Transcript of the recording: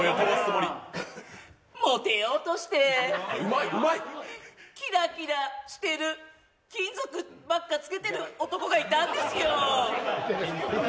もてようとしてきらきらしてる金属ばっか着けている男がいたんですよ。